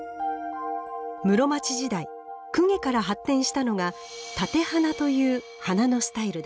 室町時代供華から発展したのが「立て花」という花のスタイルです。